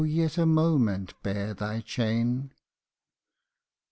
yet a moment bear thy chain